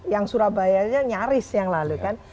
yang surabaya nya nyaris yang lalu